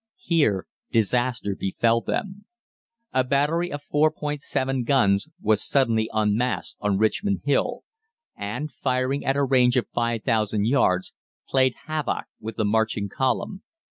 "Here disaster befell them. A battery of 4.7 guns was suddenly unmasked on Richmond Hill, and, firing at a range of 5,000 yards, played havoc with the marching column.